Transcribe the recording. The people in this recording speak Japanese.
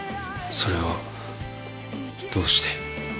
それはどうして？